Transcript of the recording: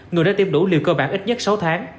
người đã tiêm đủ liều cơ bản ít nhất sáu tháng